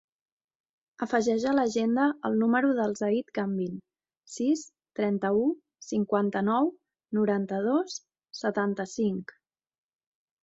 Afegeix a l'agenda el número del Zayd Gambin: sis, trenta-u, cinquanta-nou, noranta-dos, setanta-cinc.